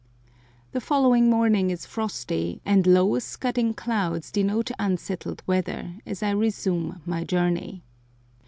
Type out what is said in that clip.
The following morning is frosty, and low, scudding clouds denote unsettled weather, as I resume my journey.